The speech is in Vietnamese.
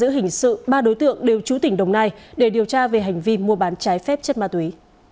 hình sự ba đối tượng đều trú tỉnh đồng nai để điều tra về hành vi mua bán trái phép chất ma túy